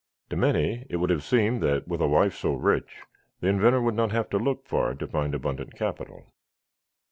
To many it would have seemed that, with a wife so rich, the inventor would not have to look far to find abundant capital.